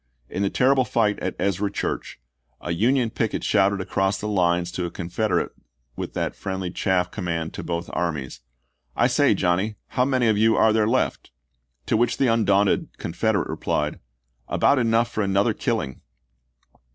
In the terrible fight at Ezra Church, a Union picket shouted across the lines to a Confederate with that friendly chaff com mon to both armies, " I say, Johnny, how many of you are there left ?" To which the undaunted Con federate replied, " About enough for another kill ing."